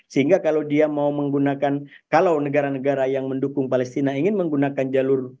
sehingga kalau dia mau menggunakan kalau negara negara yang mendukung palestina ingin menggunakan jalur